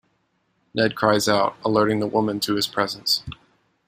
Ned cries out, alerting the women to his presence.